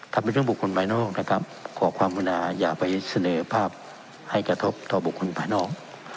ถ้าเป็นเรื่องบุคคลภายนอกนะครับขอความอุณาอย่าไปเสนอภาพให้กระทบต่อบุคคลภายนอก